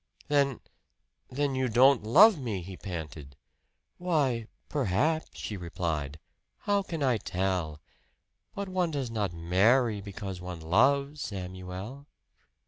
"Then then you don't love me!" he panted. "Why perhaps," she replied, "how can I tell? But one does not marry because one loves, Samuel."